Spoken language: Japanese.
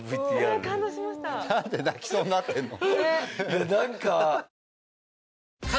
なんで泣きそうになってるの？